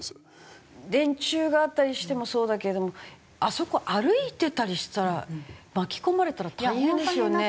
電柱があったりしてもそうだけれどもあそこ歩いてたりしたら巻き込まれたら大変ですよね。